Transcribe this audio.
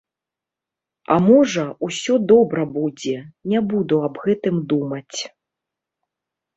А можа, усё добра будзе, не буду аб гэтым думаць.